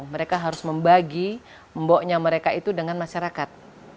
mereka harus membagi mboknya mereka itu dengan masyarakat